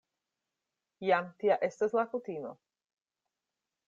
Jam tia estas la kutimo.